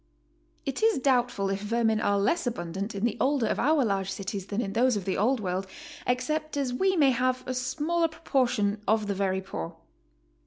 It is doubtful if vermin are less abundant in the older of our large cities than in those of the Old World, except as we may have a smaller proportion of the very poor.